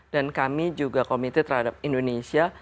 dan kami juga committed terhadap indonesia